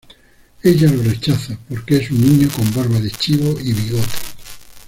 Ella lo rechaza porque es un niño con barba de chivo y bigote.